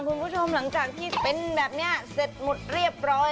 คุณผู้ชมหลังจากที่เป็นแบบนี้เสร็จหมดเรียบร้อย